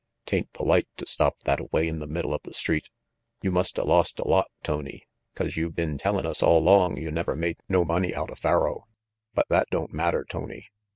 'Tain't polite to stop thattaway in the middle of the street. You musta lost a lot, Tony, 'cause you been tellin' us all long you never made no money outa faro. But that don't matter, Tony.